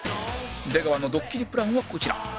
出川のドッキリプランはこちら